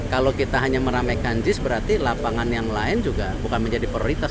kalau kita hanya meramaikan jis berarti lapangan yang lain juga bukan menjadi prioritas